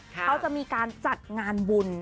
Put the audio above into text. เขาจะมีการจัดงานบุญ